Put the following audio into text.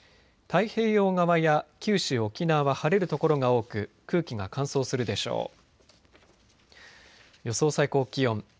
太平洋側や九州、沖縄は晴れる所が多く空気が乾燥するでしょう。